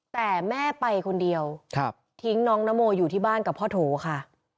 แต่แม่ไปคนเดียวทิ้งน้องนโมอยู่ที่บ้านกับพ่อโถค่ะ